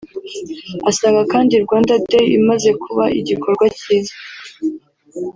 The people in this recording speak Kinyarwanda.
Asanga kandi Rwanda Day imaze kuba igikorwa kizwi